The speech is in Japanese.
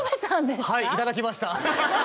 はいいただきました